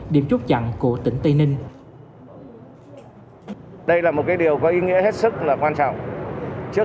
điểm chốt chặn của tỉnh tây ninh đây là một cái điều có ý nghĩa hết sức là quan trọng trước